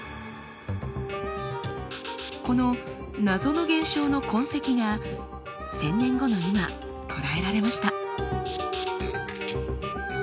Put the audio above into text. この謎の現象の痕跡が１，０００年後の今捉えられました。